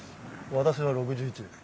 私は６１です。